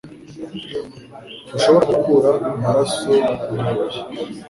Ntushobora gukura amaraso mu ibuye.